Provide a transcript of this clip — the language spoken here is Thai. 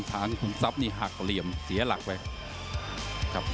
หางขุมทรัพย์หักเหลี่ยมเสียหลักไป